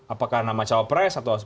apakah nama cowok pres